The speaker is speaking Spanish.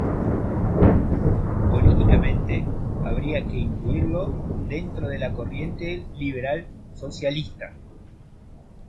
Políticamente, habría que incluirlo dentro de la corriente liberal-socialista.